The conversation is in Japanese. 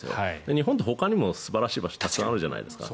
日本ってほかにも素晴らしい場所たくさんあるじゃないですか。